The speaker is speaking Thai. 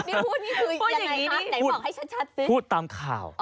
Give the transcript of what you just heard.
พี่พูดนี่คืออย่างไรครับไหนบอกให้ชัดสิ